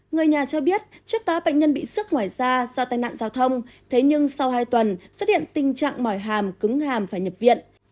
người nhà cho biết chiếc tá bệnh nhân bị sức ngoài da do tai nạn giao thông thế nhưng sau hai tuần xuất hiện tình trạng mỏi hàm cứng hàm phải nhập viện